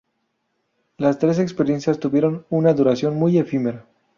Las tres experiencias tuvieron una duración muy efímera.